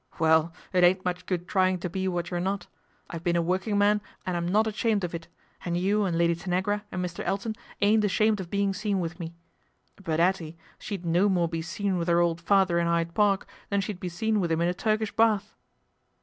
" Well, it ain't much good trying to be what you're not. I've been a working man, and I'm not ashamed of it, and you and Lady Tanagra and Mr. Elton ain't ashamed of being seen with me. But 'Ettie, she'd no more be seen with 'er old father in Hyde Park than she'd be seen with 'im in a Turkish bath."